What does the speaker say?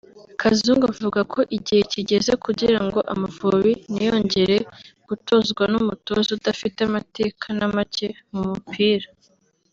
Kazungu avuga ko igihe kigeze kugira ngo Amavubi ntiyongere gutozwa n’umutoza udafite amateka na make mu mupira